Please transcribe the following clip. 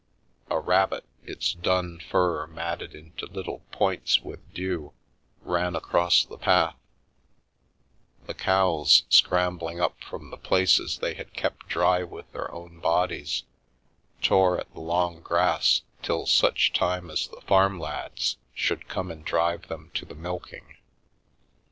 A rabbit, its dun fur matted into little points with dew, ran across the path ; the cows, scrambling up from the places they had kept dry with their own bodies, tore at the long grass till such time as the farm lads should come and drive them to the milk ing.